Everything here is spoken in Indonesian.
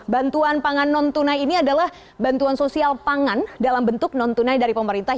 bantuan pangan non tunai ini adalah bantuan sosial pangan dalam bentuk non tunai dari pemerintah